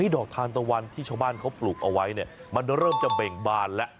ดอกทานตะวันที่ชาวบ้านเขาปลูกเอาไว้มันเริ่มจะเบ่งบานแล้ว